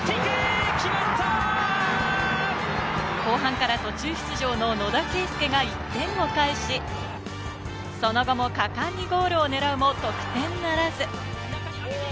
後半から途中出場の野田恵佑が１点を返し、その後も果敢にゴールを狙うも得点ならず。